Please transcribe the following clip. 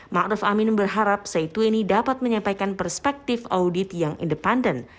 ma'ruf amin berharap c dua puluh dapat menyampaikan perspektif audit yang independen